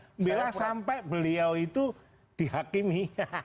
membela sampai beliau itu dihakimi